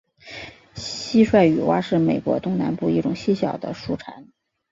蟋蟀雨蛙是美国东南部一种细小的树蟾。